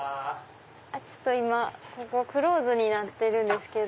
今ここクローズになってるんですけど。